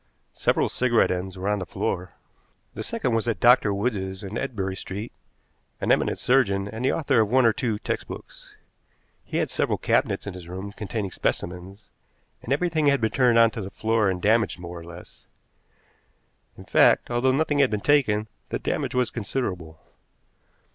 Several cigarette ends were on the floor. The second was at Dr. Wood's in Ebury Street, an eminent surgeon, and the author of one or two textbooks. He had several cabinets in his room containing specimens, and everything had been turned on to the floor and damaged more or less. In fact, although nothing had been taken, the damage was considerable.